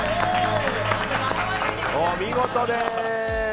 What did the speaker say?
お見事です！